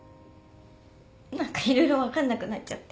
何か色々分かんなくなっちゃって。